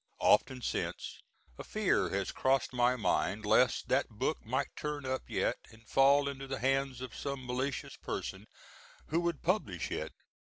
Often since a fear has crossed my mind lest that book might turn up yet, and fall into the hands of some malicious person who would publish it.